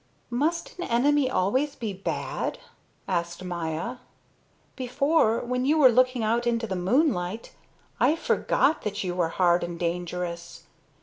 "Must an enemy always be bad?" asked Maya. "Before, when you were looking out into the moonlight, I forgot that you were hard and dangerous.